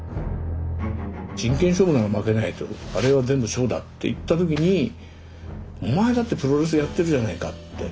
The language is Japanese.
真剣勝負なら負けないとあれは全部ショーだって言った時にお前だってプロレスやってるじゃないかって。